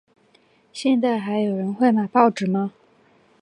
现在还有人会买报纸吗？